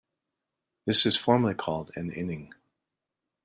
This is formally called an inning.